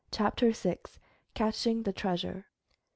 CHAPTER VI. CACHING THE TREASURE.